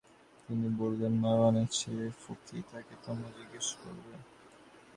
তিনি বললেন,“মারওয়ানের ছেলে ফকীহ, তাঁকে তোমরা জিজ্ঞেস করবে।